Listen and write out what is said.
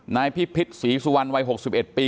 นายพิพิษศรีสุวรรณวัย๖๑ปี